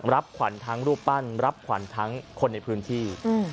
รับขวัญทั้งรูปปั้นรับขวัญทั้งคนในพื้นที่